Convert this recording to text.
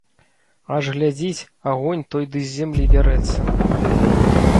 Аж глядзіць, агонь той ды з зямлі бярэцца.